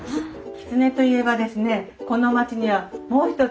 きつねといえばですね